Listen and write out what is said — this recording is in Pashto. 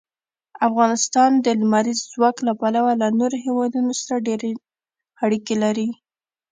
افغانستان د لمریز ځواک له پلوه له نورو هېوادونو سره ډېرې اړیکې لري.